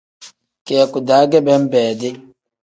Kiyaku-daa ge benbeedi.